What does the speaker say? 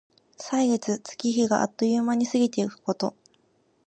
歳月、月日があっという間に過ぎてゆくこと。